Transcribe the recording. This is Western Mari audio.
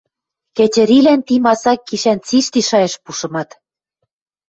Кӹтьӹрилӓн ти масак гишӓн цишти шайышт пушымат: